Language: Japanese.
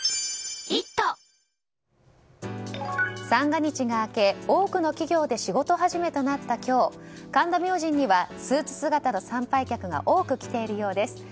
三が日が明け、多くの企業で仕事始めとなった今日神田明神にはスーツ姿の参拝客が多く来ているようです。